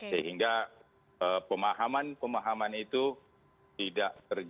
sehingga pemahaman pemahaman itu tidak terjadi